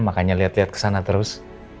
makanya liat liat kesana terus